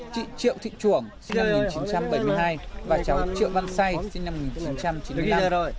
chị triệu thị trường sinh năm một nghìn chín trăm bảy mươi hai và cháu triệu văn say sinh năm một nghìn chín trăm chín mươi bốn